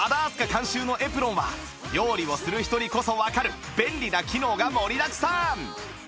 監修のエプロンは料理をする人にこそわかる便利な機能が盛りだくさん！